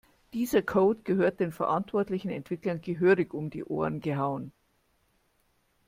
Dieser Code gehört den verantwortlichen Entwicklern gehörig um die Ohren gehauen.